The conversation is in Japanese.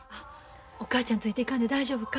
お母ちゃんついていかんで大丈夫か？